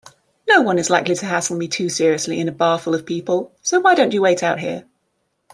Noone is likely to hassle me too seriously in a bar full of people, so why don't you wait out here?